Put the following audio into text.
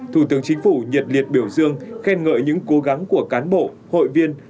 thủ tướng chính phủ nhiệt liệt biểu dương khen ngợi những cố gắng của cán bộ hội viên